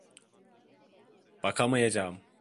Bakamayacağım.